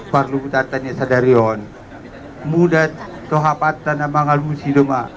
perlu kita tanya sadarion mudah tohapatan bangalusi doa